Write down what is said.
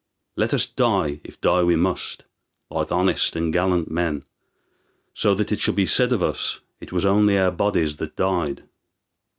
Let us die, if die we must, like honest and gallant men, so that it shall be said of us it was only our bodies that died.